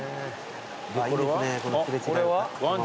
これは？